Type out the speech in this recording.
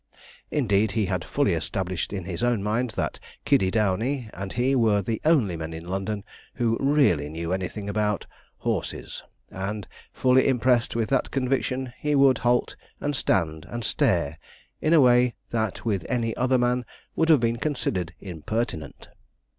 Indeed, he had fully established in his own mind that Kiddey Downey and he were the only men in London who really knew anything about, horses, and fully impressed with that conviction, he would halt, and stand, and stare, in a way that with any other man would have been considered impertinent.